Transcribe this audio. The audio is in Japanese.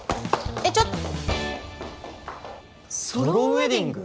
えっちょっとソロウェディング？